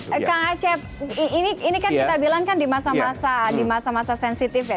kak acep ini kan kita bilang kan di masa masa